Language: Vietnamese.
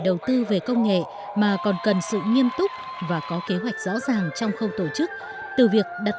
đầu tư về công nghệ mà còn cần sự nghiêm túc và có kế hoạch rõ ràng trong khâu tổ chức từ việc đặt